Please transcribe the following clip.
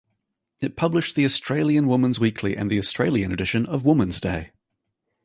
It published the "Australian Women's Weekly" and the Australian edition of "Woman's Day".